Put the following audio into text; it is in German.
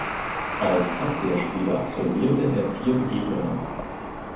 Als Abwehrspieler absolvierte er vier Begegnungen.